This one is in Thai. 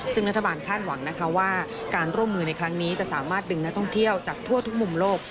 ซึ่งรัฐบาลคาดหวังนะคะว่าการร่วมมือในครั้งนี้จะสามารถดึงนักท่องเที่ยวจากทั่วทุกมุมโลก